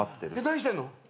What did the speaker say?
何してんの？